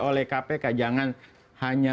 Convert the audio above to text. oleh kpk jangan hanya